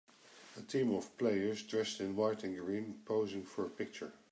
A team of players dressed in white and green posing for a picture.